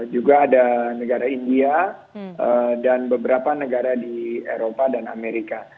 juga ada negara india dan beberapa negara di eropa dan amerika